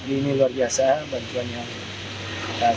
ini luar biasa bantuan yang dihasilkan